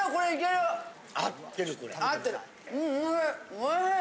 おいしい！